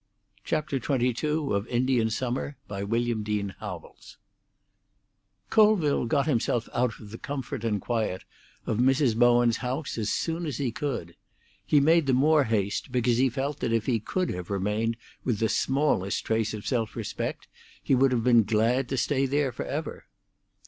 whisper from the door. It closed, and all was still again. XXII Colville got himself out of the comfort and quiet of Mrs. Bowen's house as soon as he could. He made the more haste because he felt that if he could have remained with the smallest trace of self respect, he would have been glad to stay there for ever.